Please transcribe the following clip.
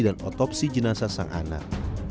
dan otopsi jenazah sang anak